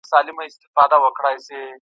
د ازاد فکر مخنیوی د ټولني د پرمختګ مخه نیسي.